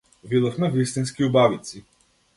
Видовме вистински убавици.